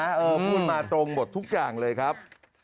เออพูดมาตรงหมดทุกอย่างเลยครับ